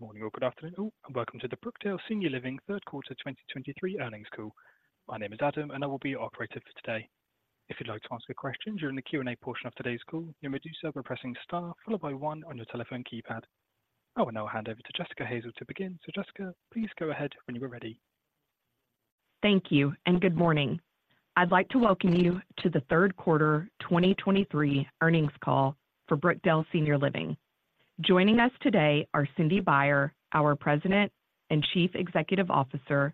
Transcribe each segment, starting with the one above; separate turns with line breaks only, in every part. Good morning or good afternoon, all, and welcome to the Brookdale Senior Living third quarter 2023 earnings call. My name is Adam, and I will be your operator for today. If you'd like to ask a question during the Q&A portion of today's call, you may do so by pressing star followed by one on your telephone keypad. I will now hand over to Jessica Hansen to begin. Jessica, please go ahead when you are ready.
Thank you, and good morning. I'd like to welcome you to the third quarter 2023 earnings call for Brookdale Senior Living. Joining us today are Cindy Baier, our President and Chief Executive Officer,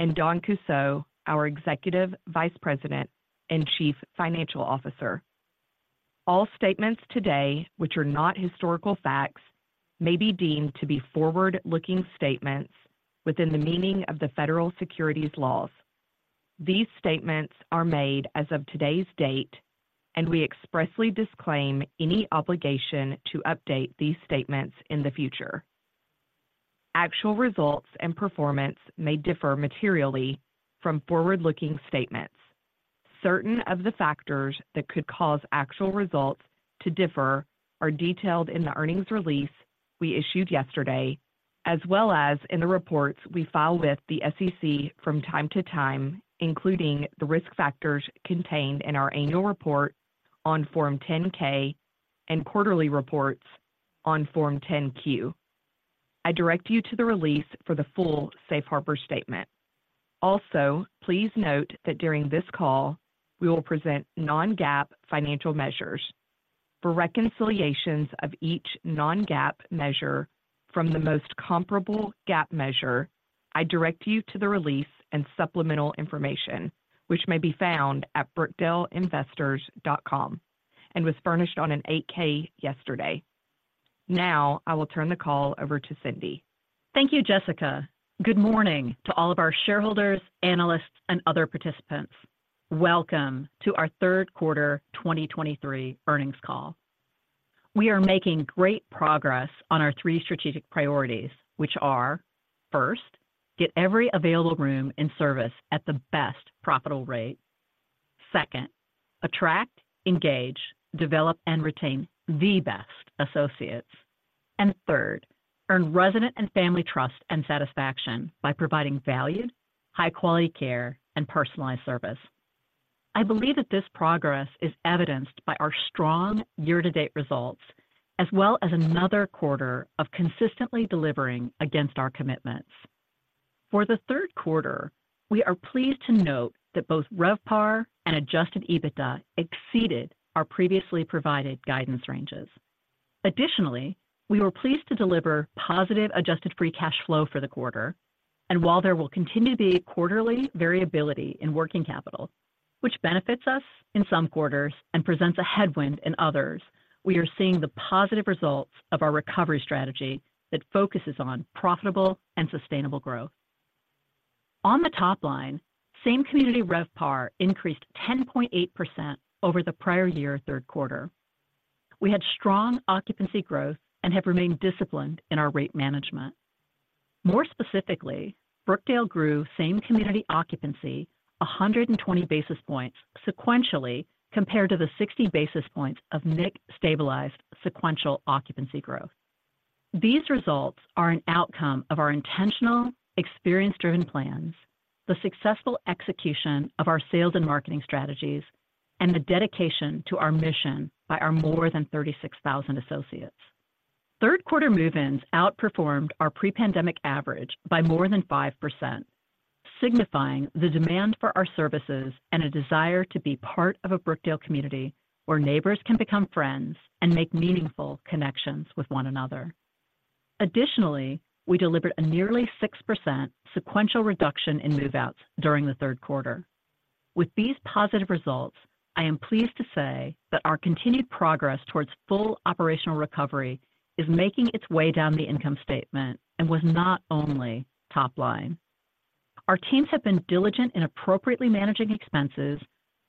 and Dawn Kussow, our Executive Vice President and Chief Financial Officer. All statements today, which are not historical facts, may be deemed to be forward-looking statements within the meaning of the federal securities laws. These statements are made as of today's date, and we expressly disclaim any obligation to update these statements in the future. Actual results and performance may differ materially from forward-looking statements. Certain of the factors that could cause actual results to differ are detailed in the earnings release we issued yesterday, as well as in the reports we file with the SEC from time to time, including the risk factors contained in our annual report on Form 10-K and quarterly reports on Form 10-Q. I direct you to the release for the full safe harbor statement. Also, please note that during this call, we will present non-GAAP financial measures. For reconciliations of each non-GAAP measure from the most comparable GAAP measure, I direct you to the release and supplemental information, which may be found at brookdaleinvestors.com and was furnished on an 8-K yesterday. Now, I will turn the call over to Cindy.
Thank you, Jessica. Good morning to all of our shareholders, analysts, and other participants. Welcome to our third quarter 2023 earnings call. We are making great progress on our three strategic priorities, which are, first, get every available room in service at the best profitable rate. Second, attract, engage, develop, and retain the best associates. And third, earn resident and family trust and satisfaction by providing valued, high-quality care and personalized service. I believe that this progress is evidenced by our strong year-to-date results, as well as another quarter of consistently delivering against our commitments. For the third quarter, we are pleased to note that both RevPAR and Adjusted EBITDA exceeded our previously provided guidance ranges. Additionally, we were pleased to deliver positive Adjusted Free Cash Flow for the quarter, and while there will continue to be quarterly variability in working capital, which benefits us in some quarters and presents a headwind in others, we are seeing the positive results of our recovery strategy that focuses on profitable and sustainable growth. On the top line, same-community RevPAR increased 10.8% over the prior year third quarter. We had strong occupancy growth and have remained disciplined in our rate management. More specifically, Brookdale grew same-community occupancy 120 basis points sequentially compared to the 60 basis points of NIC stabilized sequential occupancy growth. These results are an outcome of our intentional, experience-driven plans, the successful execution of our sales and marketing strategies, and the dedication to our mission by our more than 36,000 associates. Third quarter move-ins outperformed our pre-pandemic average by more than 5%, signifying the demand for our services and a desire to be part of a Brookdale community, where neighbors can become friends and make meaningful connections with one another. Additionally, we delivered a nearly 6% sequential reduction in move-outs during the third quarter. With these positive results, I am pleased to say that our continued progress towards full operational recovery is making its way down the income statement and was not only top line. Our teams have been diligent in appropriately managing expenses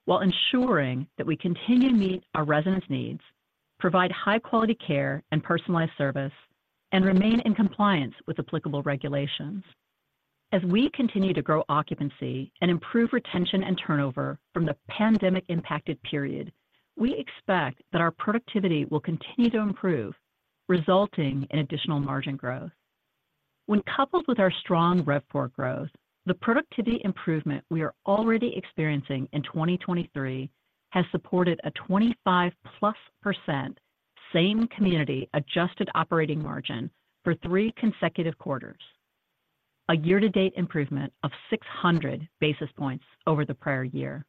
while ensuring that we continue to meet our residents' needs, provide high-quality care and personalized service, and remain in compliance with applicable regulations. As we continue to grow occupancy and improve retention and turnover from the pandemic-impacted period, we expect that our productivity will continue to improve, resulting in additional margin growth. When coupled with our strong RevPAR growth, the productivity improvement we are already experiencing in 2023 has supported a 25%+ same-community Adjusted Operating Margin for three consecutive quarters, a year-to-date improvement of 600 basis points over the prior year.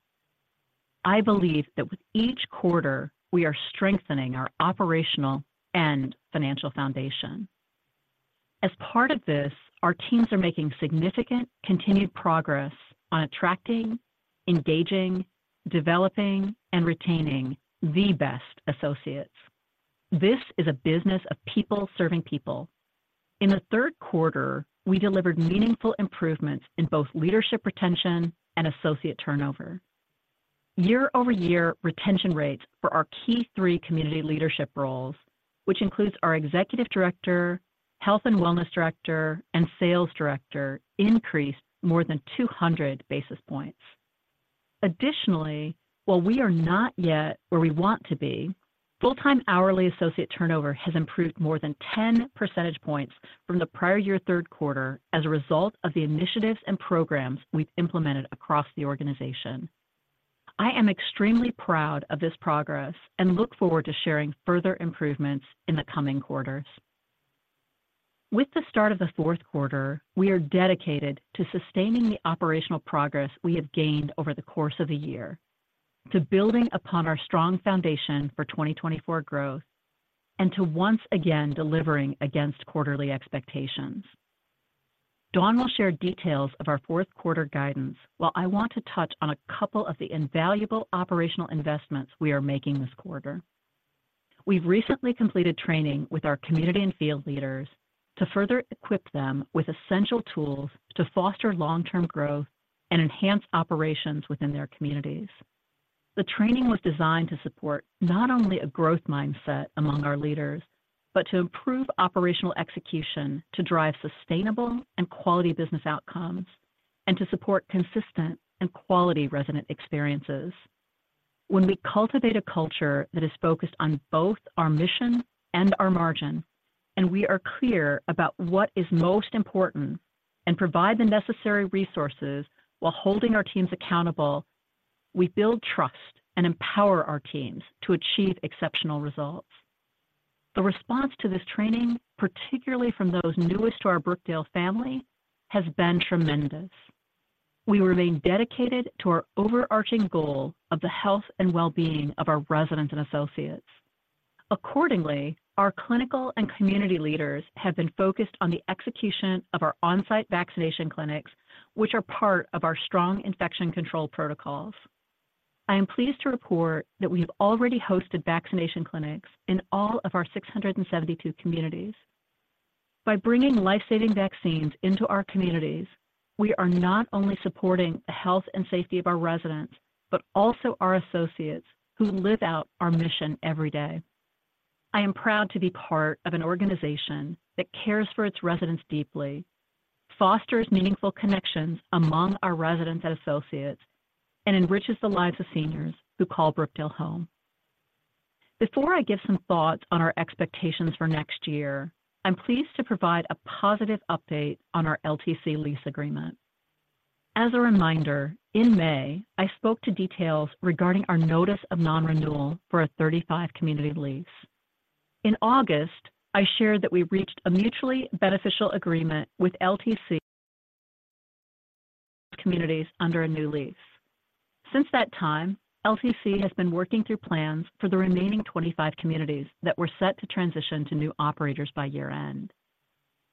I believe that with each quarter, we are strengthening our operational and financial foundation. As part of this, our teams are making significant continued progress on attracting, engaging, developing, and retaining the best associates. This is a business of people serving people. In the third quarter, we delivered meaningful improvements in both leadership retention and associate turnover. Year-over-year retention rates for our key three community leadership roles, which includes our executive director, health and wellness director, and sales director, increased more than 200 basis points.... Additionally, while we are not yet where we want to be, full-time hourly associate turnover has improved more than 10 percentage points from the prior year third quarter as a result of the initiatives and programs we've implemented across the organization. I am extremely proud of this progress and look forward to sharing further improvements in the coming quarters. With the start of the fourth quarter, we are dedicated to sustaining the operational progress we have gained over the course of the year, to building upon our strong foundation for 2024 growth, and to once again delivering against quarterly expectations. Dawn will share details of our fourth quarter guidance, while I want to touch on a couple of the invaluable operational investments we are making this quarter. We've recently completed training with our community and field leaders to further equip them with essential tools to foster long-term growth and enhance operations within their communities. The training was designed to support not only a growth mindset among our leaders, but to improve operational execution, to drive sustainable and quality business outcomes, and to support consistent and quality resident experiences. When we cultivate a culture that is focused on both our mission and our margin, and we are clear about what is most important and provide the necessary resources while holding our teams accountable, we build trust and empower our teams to achieve exceptional results. The response to this training, particularly from those newest to our Brookdale family, has been tremendous. We remain dedicated to our overarching goal of the health and well-being of our residents and associates. Accordingly, our clinical and community leaders have been focused on the execution of our on-site vaccination clinics, which are part of our strong infection control protocols. I am pleased to report that we have already hosted vaccination clinics in all of our 672 communities. By bringing life-saving vaccines into our communities, we are not only supporting the health and safety of our residents, but also our associates who live out our mission every day. I am proud to be part of an organization that cares for its residents deeply, fosters meaningful connections among our residents and associates, and enriches the lives of seniors who call Brookdale home. Before I give some thoughts on our expectations for next year, I'm pleased to provide a positive update on our LTC lease agreement. As a reminder, in May, I spoke to details regarding our notice of non-renewal for a 35 community lease. In August, I shared that we reached a mutually beneficial agreement with LTC communities under a new lease. Since that time, LTC has been working through plans for the remaining 25 communities that were set to transition to new operators by year-end.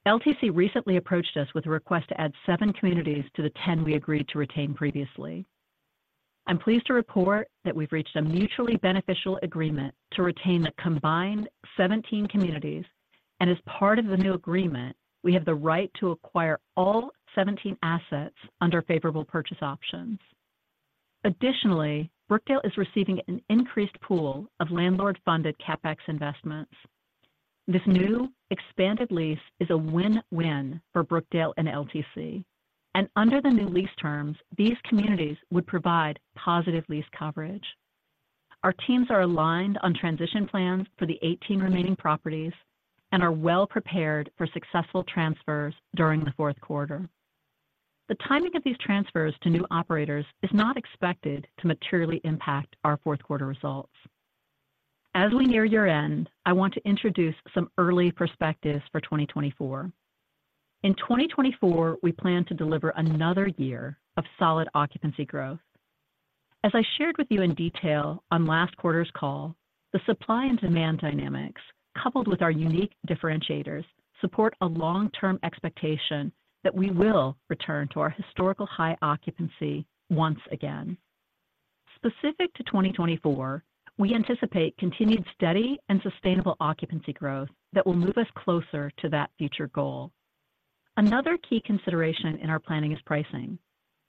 LTC recently approached us with a request to add seven communities to the 10 we agreed to retain previously. I'm pleased to report that we've reached a mutually beneficial agreement to retain the combined 17 communities, and as part of the new agreement, we have the right to acquire all 17 assets under favorable purchase options. Additionally, Brookdale is receiving an increased pool of landlord-funded CapEx investments. This new expanded lease is a win-win for Brookdale and LTC, and under the new lease terms, these communities would provide positive lease coverage. Our teams are aligned on transition plans for the 18 remaining properties and are well prepared for successful transfers during the fourth quarter. The timing of these transfers to new operators is not expected to materially impact our fourth quarter results. As we near year-end, I want to introduce some early perspectives for 2024. In 2024, we plan to deliver another year of solid occupancy growth. As I shared with you in detail on last quarter's call, the supply and demand dynamics, coupled with our unique differentiators, support a long-term expectation that we will return to our historical high occupancy once again. Specific to 2024, we anticipate continued steady and sustainable occupancy growth that will move us closer to that future goal. Another key consideration in our planning is pricing.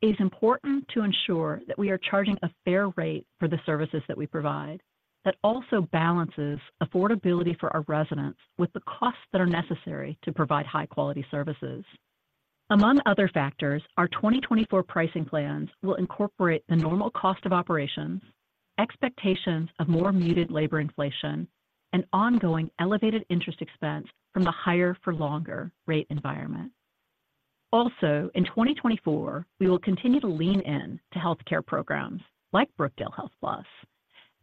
It is important to ensure that we are charging a fair rate for the services that we provide, that also balances affordability for our residents with the costs that are necessary to provide high-quality services. Among other factors, our 2024 pricing plans will incorporate the normal cost of operations, expectations of more muted labor inflation, and ongoing elevated interest expense from the higher-for-longer rate environment. Also, in 2024, we will continue to lean in to healthcare programs like Brookdale HealthPlus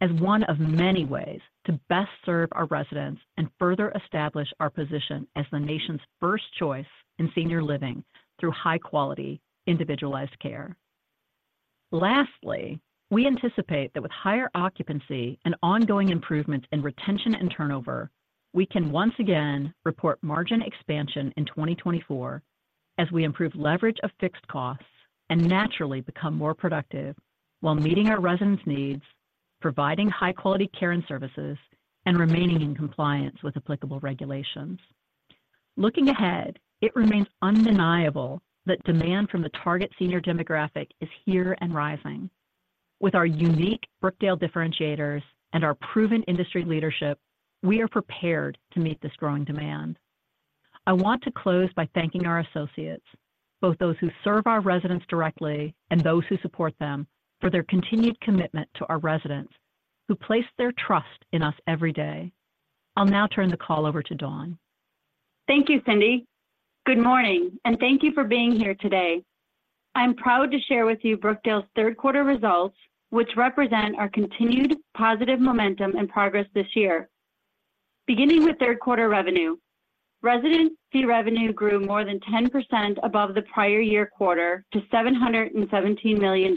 as one of many ways to best serve our residents and further establish our position as the nation's first choice in senior living through high-quality, individualized care. Lastly, we anticipate that with higher occupancy and ongoing improvements in retention and turnover, we can once again report margin expansion in 2024 as we improve leverage of fixed costs and naturally become more productive while meeting our residents' needs, providing high-quality care and services, and remaining in compliance with applicable regulations. Looking ahead, it remains undeniable that demand from the target senior demographic is here and rising. With our unique Brookdale differentiators and our proven industry leadership, we are prepared to meet this growing demand.... I want to close by thanking our associates, both those who serve our residents directly and those who support them, for their continued commitment to our residents who place their trust in us every day. I'll now turn the call over to Dawn.
Thank you, Cindy. Good morning, and thank you for being here today. I'm proud to share with you Brookdale's third quarter results, which represent our continued positive momentum and progress this year. Beginning with third quarter revenue, residency revenue grew more than 10% above the prior year quarter to $717 million.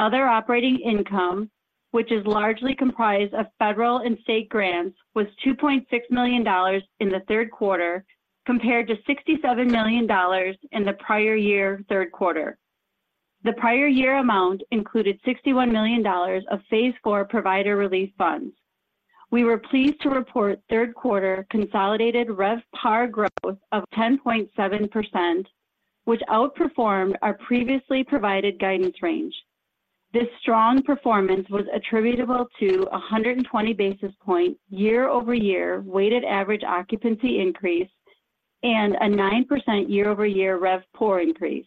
Other operating income, which is largely comprised of federal and state grants, was $2.6 million in the third quarter, compared to $67 million in the prior year, third quarter. The prior year amount included $61 million of phase IV Provider Relief Funds. We were pleased to report third quarter consolidated RevPAR growth of 10.7%, which outperformed our previously provided guidance range. This strong performance was attributable to a 120 basis point, year-over-year, weighted average occupancy increase, and a 9% year-over-year RevPOR increase.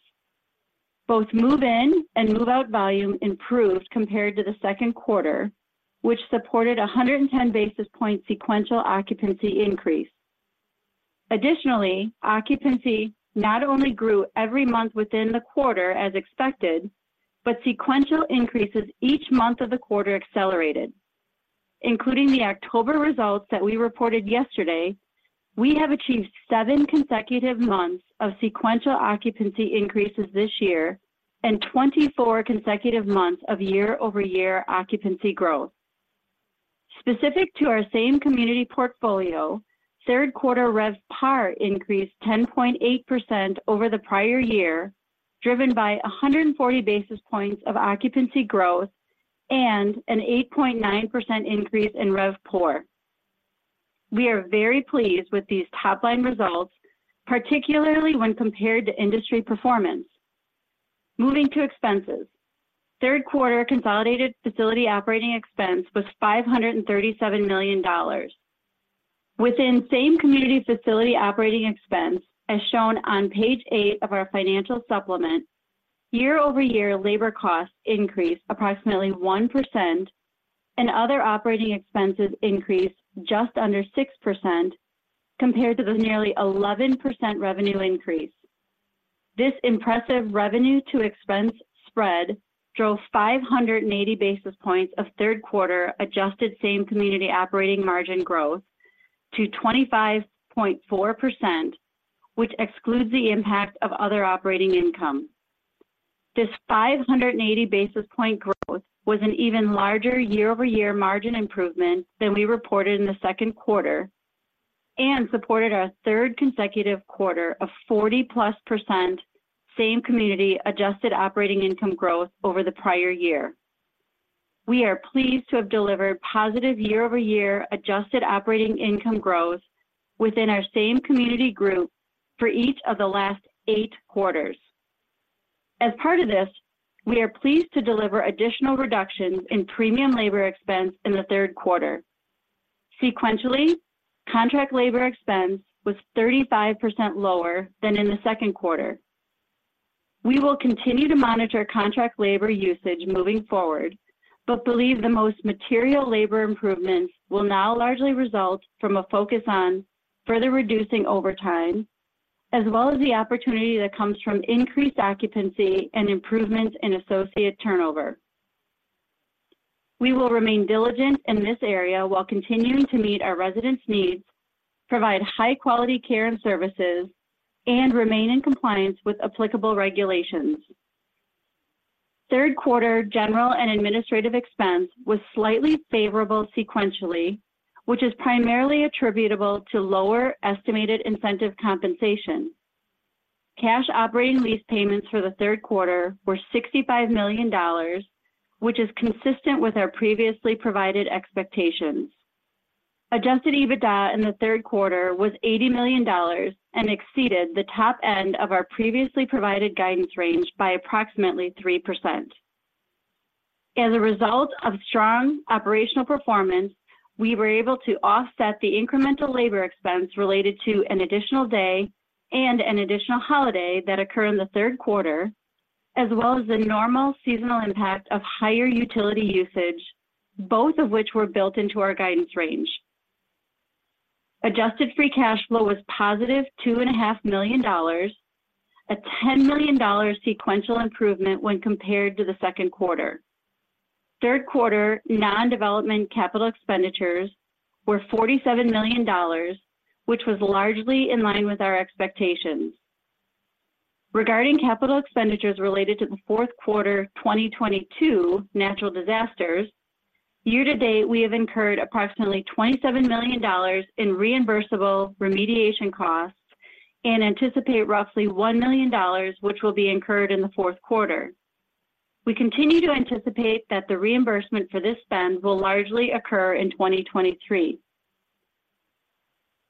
Both move-in and move-out volume improved compared to the second quarter, which supported a 110 basis points sequential occupancy increase. Additionally, occupancy not only grew every month within the quarter as expected, but sequential increases each month of the quarter accelerated. Including the October results that we reported yesterday, we have achieved 7 consecutive months of sequential occupancy increases this year and 24 consecutive months of year-over-year occupancy growth. Specific to our same-community portfolio, third quarter RevPAR increased 10.8% over the prior year, driven by a 140 basis points of occupancy growth and an 8.9% increase in RevPOR. We are very pleased with these top-line results, particularly when compared to industry performance. Moving to expenses. Third quarter consolidated facility operating expense was $537 million. Within same-community facility operating expense, as shown on page eight of our financial supplement, year-over-year labor costs increased approximately 1% and other operating expenses increased just under 6% compared to the nearly 11% revenue increase. This impressive revenue to expense spread drove 580 basis points of third quarter Adjusted same-community Operating Margin Growth to 25.4%, which excludes the impact of other operating income. This 580 basis point growth was an even larger year-over-year margin improvement than we reported in the second quarter and supported our third consecutive quarter of 40%+ same-community Adjusted Operating Income Growth over the prior year. We are pleased to have delivered positive year-over-year Adjusted Operating Income Growth within our same-community group for each of the last eight quarters. As part of this, we are pleased to deliver additional reductions in premium labor expense in the third quarter. Sequentially, contract labor expense was 35% lower than in the second quarter. We will continue to monitor contract labor usage moving forward, but believe the most material labor improvements will now largely result from a focus on further reducing overtime, as well as the opportunity that comes from increased occupancy and improvements in associate turnover. We will remain diligent in this area while continuing to meet our residents needs, provide high-quality care and services, and remain in compliance with applicable regulations. Third quarter general and administrative expense was slightly favorable sequentially, which is primarily attributable to lower estimated incentive compensation. Cash operating lease payments for the third quarter were $65 million, which is consistent with our previously provided expectations. Adjusted EBITDA in the third quarter was $80 million and exceeded the top end of our previously provided guidance range by approximately 3%. As a result of strong operational performance, we were able to offset the incremental labor expense related to an additional day and an additional holiday that occurred in the third quarter, as well as the normal seasonal impact of higher utility usage, both of which were built into our guidance range. Adjusted Free Cash Flow was positive $2.5 million, a $10 million sequential improvement when compared to the second quarter. Third quarter non-development capital expenditures were $47 million, which was largely in line with our expectations. Regarding capital expenditures related to the fourth quarter 2022 natural disasters, year-to-date, we have incurred approximately $27 million in reimbursable remediation costs and anticipate roughly $1 million, which will be incurred in the fourth quarter. We continue to anticipate that the reimbursement for this spend will largely occur in 2023.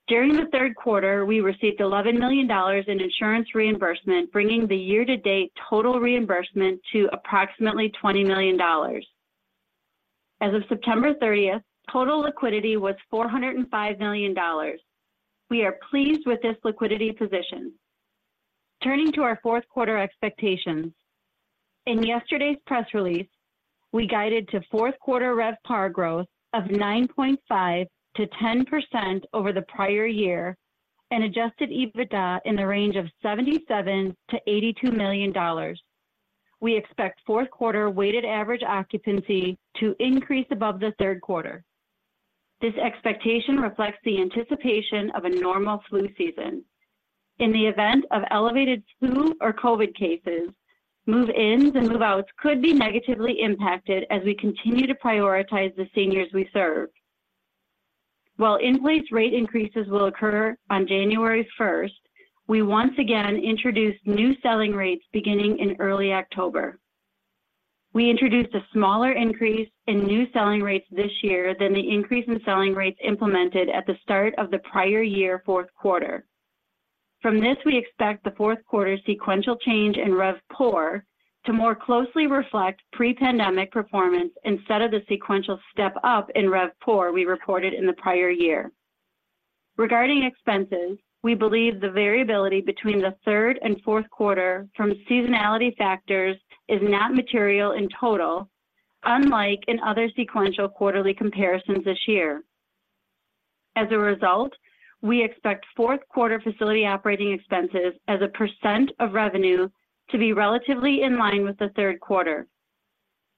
During the third quarter, we received $11 million in insurance reimbursement, bringing the year-to-date total reimbursement to approximately $20 million. As of September 30th, total liquidity was $405 million. We are pleased with this liquidity position. Turning to our fourth quarter expectations. In yesterday's press release, we guided to fourth quarter RevPAR growth of 9.5% to 10% over the prior year, and Adjusted EBITDA in the range of $77 million-$82 million. We expect fourth quarter weighted average occupancy to increase above the third quarter. This expectation reflects the anticipation of a normal flu season. In the event of elevated flu or COVID cases, move-ins and move-outs could be negatively impacted as we continue to prioritize the seniors we serve. While in-place rate increases will occur on January 1st, we once again introduced new selling rates beginning in early October. We introduced a smaller increase in new selling rates this year than the increase in selling rates implemented at the start of the prior year, fourth quarter. From this, we expect the fourth quarter sequential change in RevPOR to more closely reflect pre-pandemic performance instead of the sequential step up in RevPOR we reported in the prior year. Regarding expenses, we believe the variability between the third and fourth quarter from seasonality factors is not material in total, unlike in other sequential quarterly comparisons this year. As a result, we expect fourth quarter facility operating expenses as a percent of revenue to be relatively in line with the third quarter.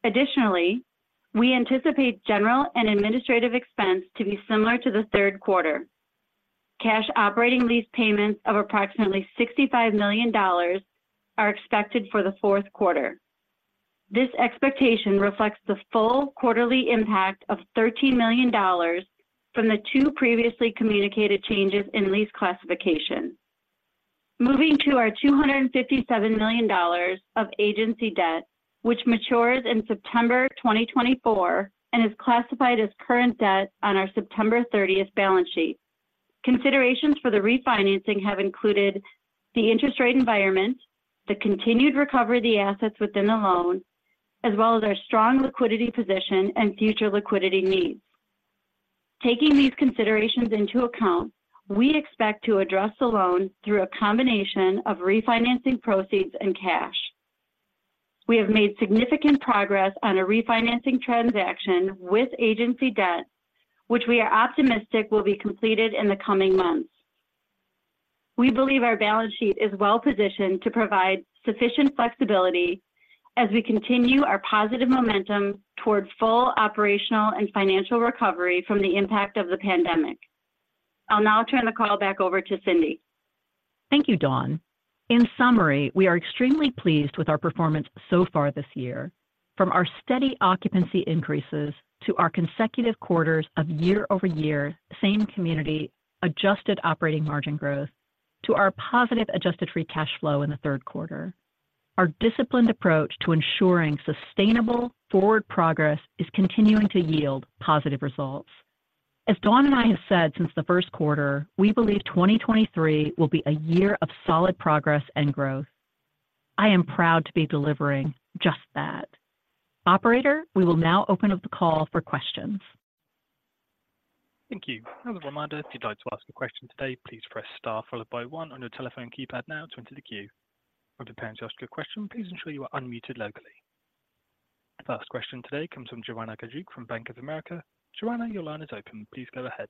Additionally, we anticipate general and administrative expense to be similar to the third quarter. Cash operating lease payments of approximately $65 million are expected for the fourth quarter. This expectation reflects the full quarterly impact of $13 million from the two previously communicated changes in lease classification. Moving to our $257 million of agency debt, which matures in September 2024 and is classified as current debt on our September 30th balance sheet. Considerations for the refinancing have included the interest rate environment, the continued recovery of the assets within the loan, as well as our strong liquidity position and future liquidity needs. Taking these considerations into account, we expect to address the loan through a combination of refinancing proceeds and cash. We have made significant progress on a refinancing transaction with agency debt, which we are optimistic will be completed in the coming months. We believe our balance sheet is well positioned to provide sufficient flexibility as we continue our positive momentum toward full operational and financial recovery from the impact of the pandemic. I'll now turn the call back over to Cindy.
Thank you, Dawn. In summary, we are extremely pleased with our performance so far this year, from our steady occupancy increases to our consecutive quarters of year-over-year, same-community, Adjusted Operating Margin growth, to our positive Adjusted Free Cash Flow in the third quarter. Our disciplined approach to ensuring sustainable forward progress is continuing to yield positive results. As Dawn and I have said since the first quarter, we believe 2023 will be a year of solid progress and growth. I am proud to be delivering just that. Operator, we will now open up the call for questions.
Thank you. As a reminder, if you'd like to ask a question today, please press star followed by one on your telephone keypad now to enter the queue. When preparing to ask your question, please ensure you are unmuted locally. First question today comes from Joanna Gajuk from Bank of America. Joanna, your line is open. Please go ahead.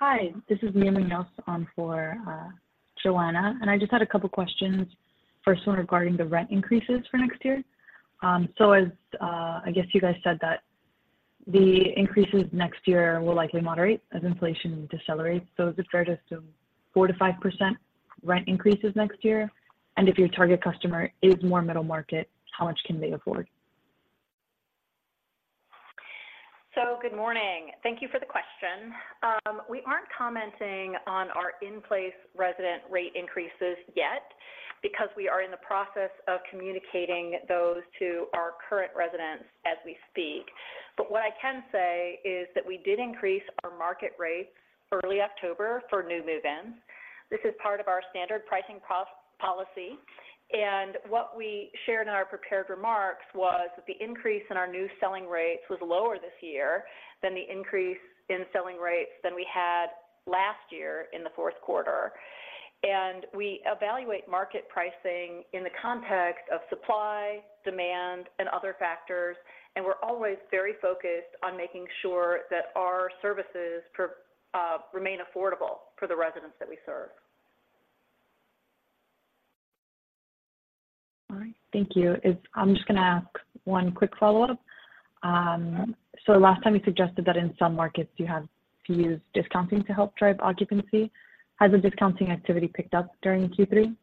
Hi, this is Naomi Nelson on for Joanna, and I just had a couple of questions. First one regarding the rent increases for next year. So as I guess you guys said that the increases next year will likely moderate as inflation decelerates. So is it fair to assume 4%-5% rent increases next year? And if your target customer is more middle market, how much can they afford?
Good morning. Thank you for the question. We aren't commenting on our in-place resident rate increases yet, because we are in the process of communicating those to our current residents as we speak. But what I can say is that we did increase our market rates early October for new move-ins. This is part of our standard pricing policy, and what we shared in our prepared remarks was that the increase in our new selling rates was lower this year than the increase in selling rates than we had last year in the fourth quarter. We evaluate market pricing in the context of supply, demand, and other factors, and we're always very focused on making sure that our services remain affordable for the residents that we serve.
All right, thank you. I'm just gonna ask one quick follow-up. So last time you suggested that in some markets, you had to use discounting to help drive occupancy. Has the discounting activity picked up during Q3?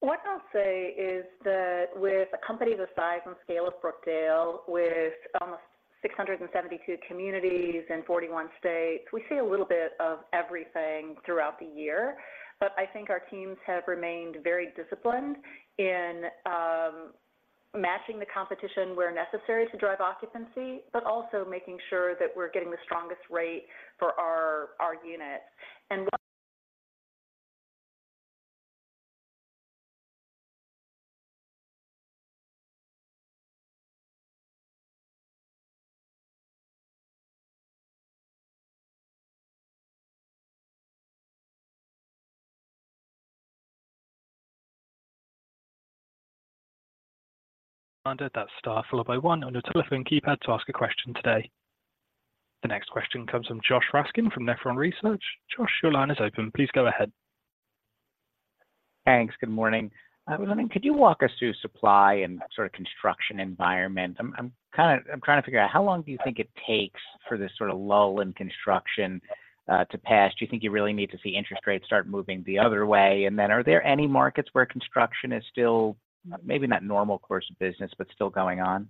What I'll say is that with a company the size and scale of Brookdale, with almost 672 communities in 41 states, we see a little bit of everything throughout the year. But I think our teams have remained very disciplined in matching the competition where necessary to drive occupancy, but also making sure that we're getting the strongest rate for our units. And we-...
That's star followed by one on your telephone keypad to ask a question today. The next question comes from Josh Raskin from Nephron Research. Josh, your line is open. Please go ahead.
Thanks. Good morning. Could you walk us through supply and sort of construction environment? I'm kinda trying to figure out how long do you think it takes for this sort of lull in construction to pass? Do you think you really need to see interest rates start moving the other way? And then are there any markets where construction is still maybe not normal course of business, but still going on?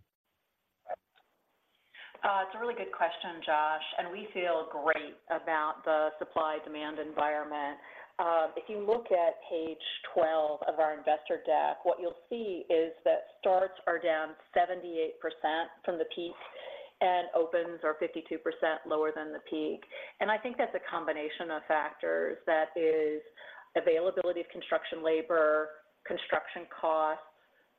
It's a really good question, Josh, and we feel great about the supply-demand environment. If you look at page 12 of our investor deck, what you'll see is that starts are down 78% from the peak, and opens are 52% lower than the peak. I think that's a combination of factors. That is availability of construction labor, construction costs,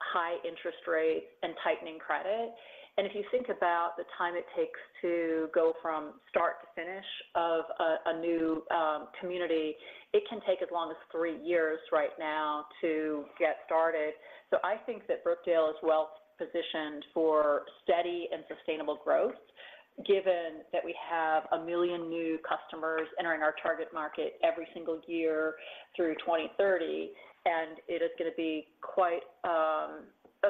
high interest rates, and tightening credit. If you think about the time it takes to go from start to finish of a new community, it can take as long as three years right now to get started. I think that Brookdale is well positioned for steady and sustainable growth, given that we have a million new customers entering our target market every single year through 2030, and it is gonna be quite a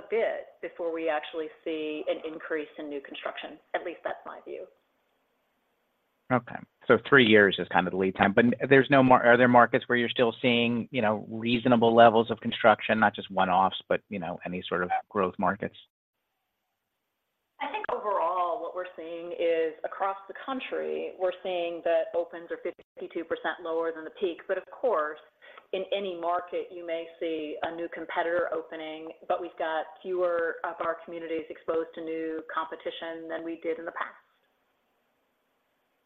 bit before we actually see an increase in new construction. At least that's my view.
Okay, so three years is kind of the lead time, but are there markets where you're still seeing, you know, reasonable levels of construction, not just one-offs, but, you know, any sort of growth markets?
I think overall, what we're seeing is across the country, we're seeing that opens are 52% lower than the peak. But of course, in any market you may see a new competitor opening, but we've got fewer of our communities exposed to new competition than we did in the past.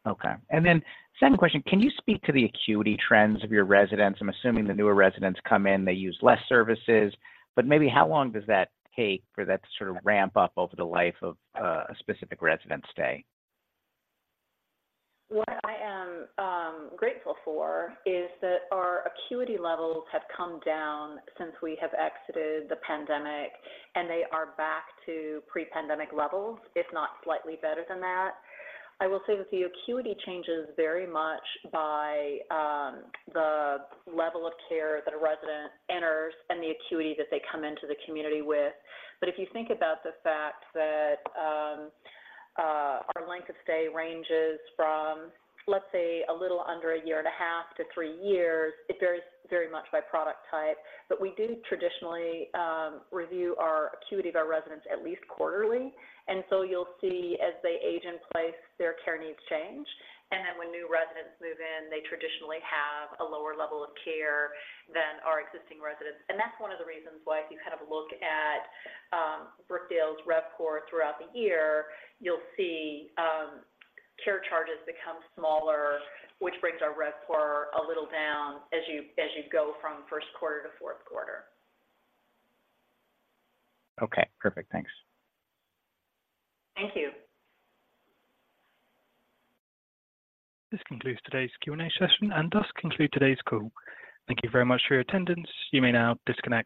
Okay, and then second question: Can you speak to the acuity trends of your residents? I'm assuming the newer residents come in, they use less services, but maybe how long does that take for that to sort of ramp up over the life of a specific resident's stay?
What I am grateful for is that our acuity levels have come down since we have exited the pandemic, and they are back to pre-pandemic levels, if not slightly better than that. I will say that the acuity changes very much by the level of care that a resident enters and the acuity that they come into the community with. But if you think about the fact that our length of stay ranges from, let's say, a little under a year and a half to three years, it varies very much by product type. But we do traditionally review our acuity of our residents at least quarterly, and so you'll see as they age in place, their care needs change. And then when new residents move in, they traditionally have a lower level of care than our existing residents, and that's one of the reasons why if you kind of look at Brookdale's RevPOR throughout the year, you'll see care charges become smaller, which brings our RevPOR a little down as you go from first quarter to fourth quarter.
Okay, perfect. Thanks.
Thank you.
This concludes today's Q&A session and does conclude today's call. Thank you very much for your attendance. You may now disconnect.